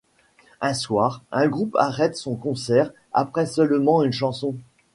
Un soir, un groupe arrête son concert après seulement une chanson.